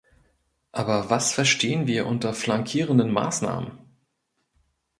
Aber was verstehen wir unter flankierenden Maßnahmen?